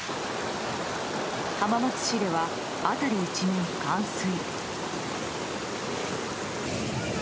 浜松市では辺り一面、冠水。